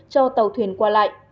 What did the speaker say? cho tàu thuyền qua lại